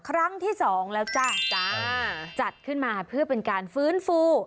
ครั้งที่สองแล้วจ้ะจ้าจัดขึ้นมาเพื่อเป็นการฟื้นฟู